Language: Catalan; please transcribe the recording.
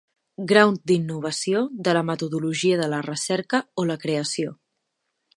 Grau d'innovació de la metodologia de la recerca o la creació.